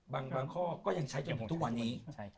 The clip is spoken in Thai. บางข้อก็ยังใช้ทุกวันนี้